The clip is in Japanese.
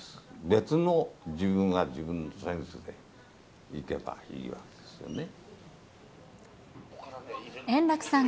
別の、自分は自分のセンスでいけばいいわけですよね。